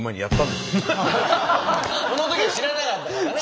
そのときは知らなかったからね。